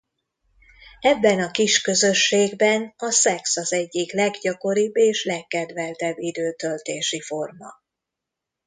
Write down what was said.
Ebben a kis közösségben a szex az egyik leggyakoribb és legkedveltebb időtöltési forma.